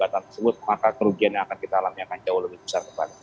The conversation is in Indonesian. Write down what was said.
dan kegagalan tersebut maka kerugian yang akan kita alami akan jauh lebih besar